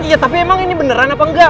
iya tapi emang ini beneran apa enggak